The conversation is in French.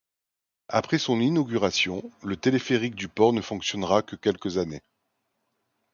Après son inauguration, le téléphérique du port ne fonctionnera que quelques années.